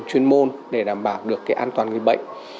chuyên môn để đảm bảo được cái an toàn người bệnh